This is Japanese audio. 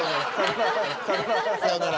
さようなら。